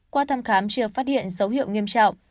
qua thăm khám chưa phát hiện dấu hiệu nghiêm trọng